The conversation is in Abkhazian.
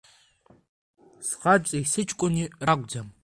Схаҵеи сыҷкәыни ракәӡам…